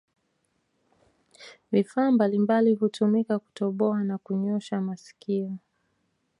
Vifaa mbalimbali hutumika kutoboa na kunyosha masikio